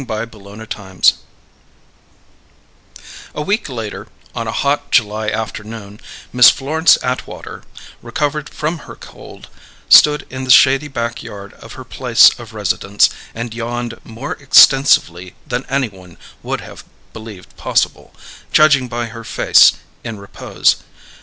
CHAPTER SEVEN A week later, on a hot July afternoon, Miss Florence Atwater, recovered from her cold, stood in the shady back yard of her place of residence and yawned more extensively than any one would have believed possible, judging by her face in repose.